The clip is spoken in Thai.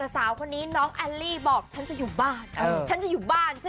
สาวคนนี้น้องแอลลี่ว่าจะอยู่บ้าน